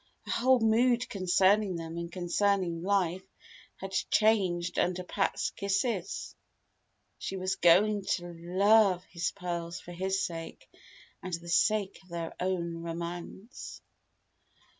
Her whole mood concerning them and concerning life had changed under Pat's kisses. She was going to love his pearls for his sake, and the sake of their own romance!